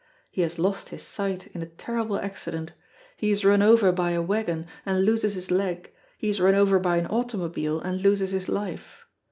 He has lost his sight in a terrible accident; he is run over by a waggon, and loses his leg; he is run over by an automobile, and loses his life.